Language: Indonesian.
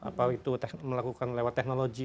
apa itu melakukan lewat teknologi